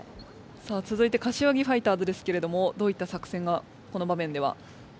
さあつづいて柏木ファイターズですけれどもどういった作戦がこの場面では？